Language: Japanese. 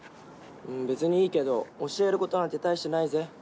別にいいけど教える事なんて大してないぜ。